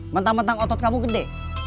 mentang mentang otot kamu gede